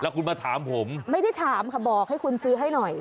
คุณมาถามผมไม่ได้ถามค่ะบอกให้คุณซื้อให้หน่อย